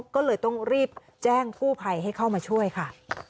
ก็เลยต้องรีบแจ้งกู้ภัยให้เข้ามาช่วยค่ะ